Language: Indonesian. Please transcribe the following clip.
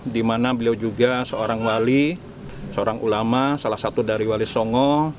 di mana beliau juga seorang wali seorang ulama salah satu dari wali songo